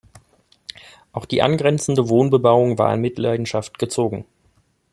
Auch die angrenzende Wohnbebauung war in Mitleidenschaft gezogen.